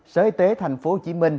sở y tế tp hcm